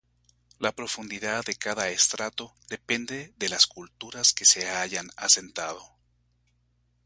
La profundidad de cada estrato depende de las culturas que se hayan asentado.